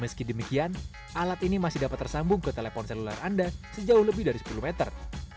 meski demikian alat ini masih dapat tersambung ke telepon seluler anda sejauh lebih dari sepuluh meter